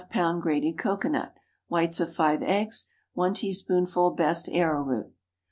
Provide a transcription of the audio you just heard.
grated cocoanut. Whites of 5 eggs. 1 teaspoonful best arrowroot.